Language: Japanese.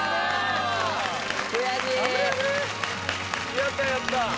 やったやった。